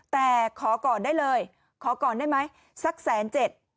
แต่ขอก่อนได้เลยขอก่อนได้ไหมสักแสนเจ็ด